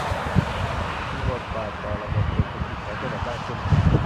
มีบทบาทต่อระบบเศรษฐกิจของจังหวัดมากขึ้น